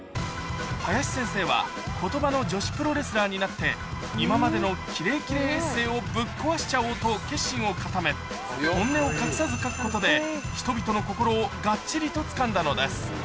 林先生はことばの女子プロレスラーになって、今までのキレイキレイエッセーをぶっ壊しちゃおうと決心を固め、本音を隠さず書くことで、人々の心をがっちりとつかんだのです。